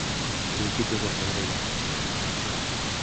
Principios de febreiro.